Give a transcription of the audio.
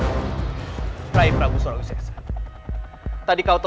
tadi kau tahu berucap siapapun yang meracuni makanan uamuk marufi itu akan dihukum mati